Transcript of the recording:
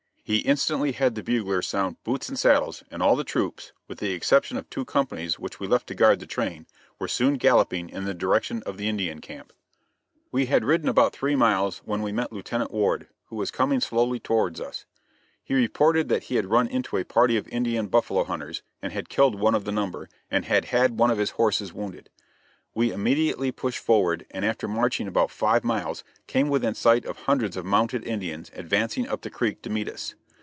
He instantly had the bugler sound "boots and saddles," and all the troops with the exception of two companies, which we left to guard the train were soon galloping in the direction of the Indian camp. We had ridden about three miles when we met Lieutenant Ward, who was coming slowly towards us. He reported that he had run into a party of Indian buffalo hunters, and had killed one of the number, and had had one of his horses wounded. We immediately pushed forward and after marching about five miles came within sight of hundreds of mounted Indians advancing up the creek to meet us.